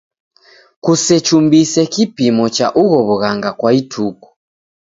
Kusechumbise kipimo cha ugho w'ughanga kwa ituku.